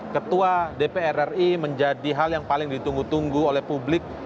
ketua dpr ri menjadi hal yang paling ditunggu tunggu oleh publik